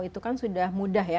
itu kan sudah mudah ya